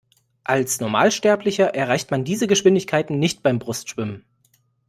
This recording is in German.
Als Normalsterblicher erreicht man diese Geschwindigkeiten nicht beim Brustschwimmen.